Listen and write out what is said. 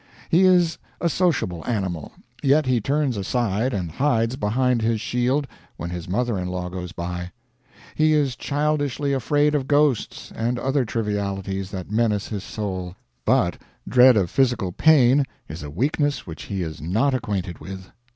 He is a sociable animal, yet he turns aside and hides behind his shield when his mother in law goes by. He is childishly afraid of ghosts and other trivialities that menace his soul, but dread of physical pain is a weakness which he is not acquainted with.